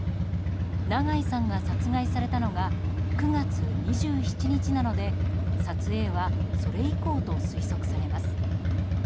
長井さんが殺害されたのが９月２７日なので撮影はそれ以降と推測されます。